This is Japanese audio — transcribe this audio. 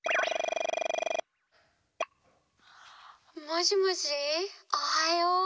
もしもしおはよう。